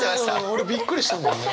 俺びっくりしたもんね。